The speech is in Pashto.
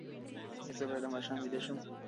ایا زه باید د ماښام ویده شم؟